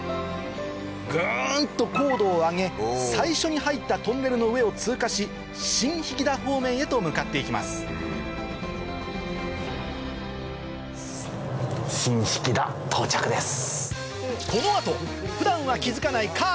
ぐんと高度を上げ最初に入ったトンネルの上を通過し新疋田方面へと向かって行きます新疋田到着です。